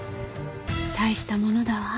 大したものだわ。